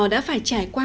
đã phải trải qua